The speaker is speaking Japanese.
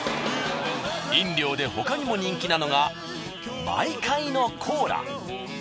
飲料で他にも人気なのがｍｙｋａｉのコーラ。